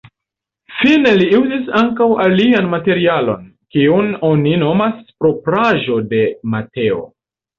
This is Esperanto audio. Fine li uzis ankaŭ alian materialon, kiun oni nomas propraĵo de Mateo.